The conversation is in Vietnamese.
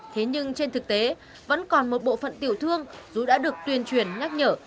thế nhưng trên thực tế vẫn còn một bộ phận tiểu thương dù đã được tuyên truyền nhắc nhở